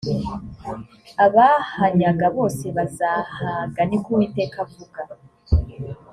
abahanyaga bose bazah ga ni ko uwiteka avuga